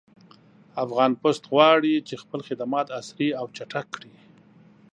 افغان پُست غواړي چې خپل خدمات عصري او چټک کړي